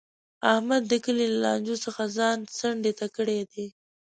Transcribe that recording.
احمد د کلي له لانجو څخه ځان څنډې ته کړی دی.